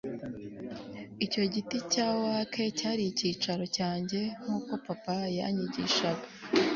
icyo giti cya oak cyari icyicaro cyanjye nkuko papa yanyigishaga